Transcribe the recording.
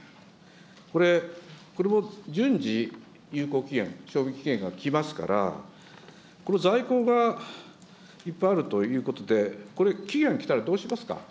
これ、これも順次、有効期限、賞味期限が来ますから、この在庫がいっぱいあるということで、これ、期限来たらどうしますか。